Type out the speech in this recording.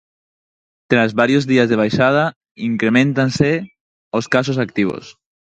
Tras varios días de baixada, increméntanse os casos activos.